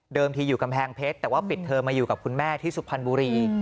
ที่อยู่กำแพงเพชรแต่ว่าปิดเทอมมาอยู่กับคุณแม่ที่สุพรรณบุรี